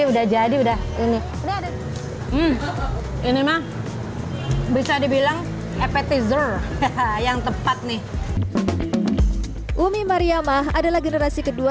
udah jadi udah ini udah ada ini mah bisa dibilang appetizer yang tepat nih umi mariamah adalah generasi kedua